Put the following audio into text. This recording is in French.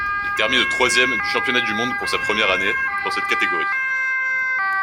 Il termine troisième du championnat du monde pour sa première année dans cette catégorie.